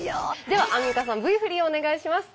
ではアンミカさんＶ振りをお願いします。